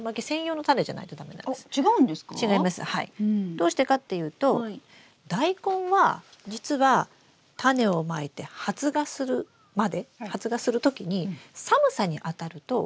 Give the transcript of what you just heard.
どうしてかっていうとダイコンは実はタネをまいて発芽するまで発芽するときに寒さにあたるととう立ちしてしまうんです。